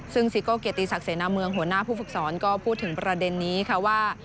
ซึ่งซิโก้เกียรติศักดิเสนาเมืองหัวหน้าผู้ฝึกสอนก็พูดถึงประเด็นนี้ค่ะว่า